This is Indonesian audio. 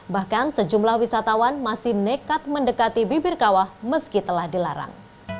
bahkan sejumlah wisatawan masih nekat mendekati bibir kawah meski telah dilarang